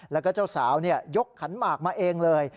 แล้วก็เจ้าสาวยกขันหมากมาเองเลย